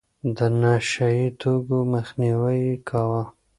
د نشه يي توکو مخنيوی يې کاوه.